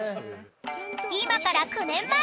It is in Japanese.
［今から９年前。